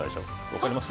わかります？